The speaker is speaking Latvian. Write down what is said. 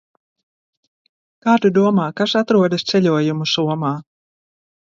Kā tu domā, kas atrodas ceļojumu somā?